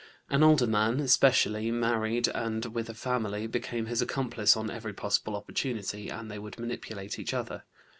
An older man, especially, married and with a family, became his accomplice on every possible opportunity, and they would manipulate each other.